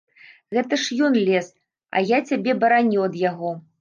Гэта ж ён лез, а я цябе бараніў ад яго.